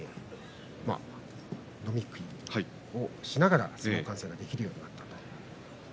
飲み食いをしながら相撲の観戦ができるようになりました。